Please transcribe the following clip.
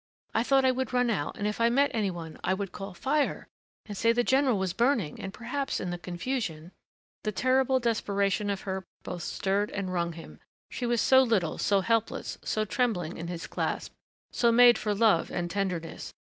I thought I would run out and if I met any one I would call, 'Fire', and say the general was burning and perhaps in the confusion " The terrible desperation of her both stirred and wrung him. She was so little, so helpless, so trembling in his clasp ... so made for love and tenderness....